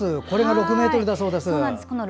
これが６ｍだそうです。